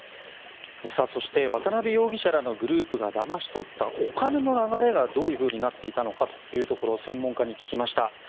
そして渡邉容疑者らのグループがだまし取ったお金の流れがどういうふうになっていたのかというところ専門家に聞きました。